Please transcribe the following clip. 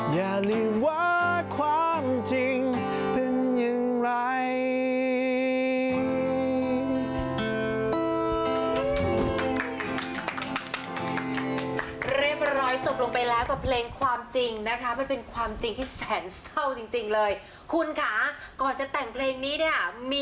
อย่าลืมว่าความจริงเป็นอย่างไร